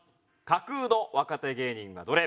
架空の若手芸人はどれ？